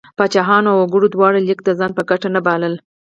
پاچاهانو او وګړو دواړو لیک د ځان په ګټه نه باله.